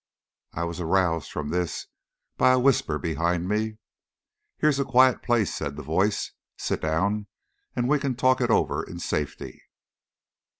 I was aroused from this by a whisper behind me. "Here's a quiet place," said the voice. "Sit down, and we can talk it over in safety."